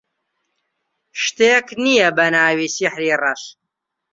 شتێک نییە بە ناوی سیحری ڕەش.